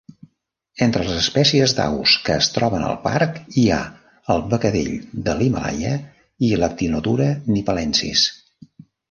Entre les espècies d'aus que es troben al parc hi ha el becadell de l'Himàlaia i l'Actinodura nipalensis.